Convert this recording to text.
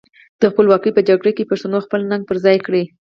د خپلواکۍ په جګړه کې پښتنو خپله ننګه پر خای کړه.